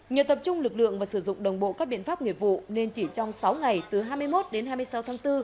nhờ tập trung lực lượng và sử dụng đồng bộ các biện pháp nghiệp vụ nên chỉ trong sáu ngày từ hai mươi một đến hai mươi sáu tháng bốn